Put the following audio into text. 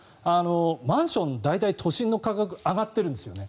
マンション、大体都心の価格上がってるんですね。